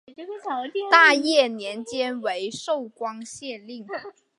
大业年间为寿光县令。